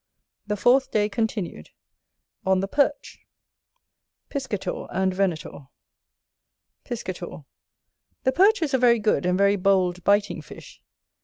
The fourth day continued On the Perch Chapter XII Piscator and Venator Piscator. The Perch is a very good and very bold biting fish.